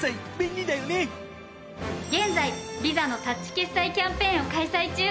現在Ｖｉｓａのタッチ決済キャンペーンを開催中。